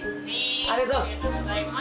ありがとうございます。